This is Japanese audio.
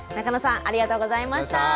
中野さんありがとうございました。